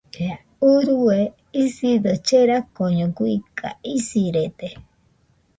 Urue isido cherakoño guiga , isirede.